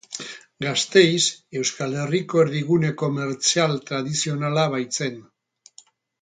Gasteiz Euskal Herriko erdigune komertzial tradizionala baitzen.